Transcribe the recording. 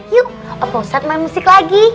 yuk pak ustadz main musik lagi